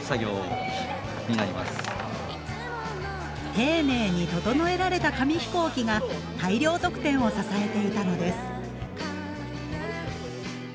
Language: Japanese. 丁寧に整えられた紙飛行機が大量得点を支えていたのです。